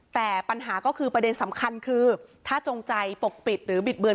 แต่ปัญหาก็คือประเด็นสำคัญคือถ้าจงใจปกปิดหรือบิดเบือน